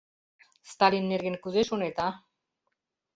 Сталин нерген кузе шонет, а?